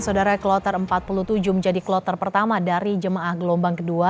saudara kloter empat puluh tujuh menjadi kloter pertama dari jemaah gelombang kedua